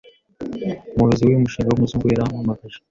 umuyobozi w’uyu mushinga w’umuzungu yaramapamageje